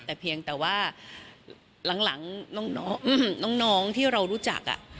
แต่เพียงแต่ว่าหลังน้องที่เรารู้จัก